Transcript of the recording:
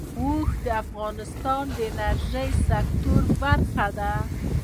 اوښ د افغانستان د انرژۍ سکتور برخه ده.